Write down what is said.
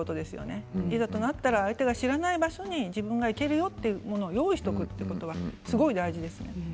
いざとなったら相手が知らない場所に自分が行けるというところを用意しておくことが大事です。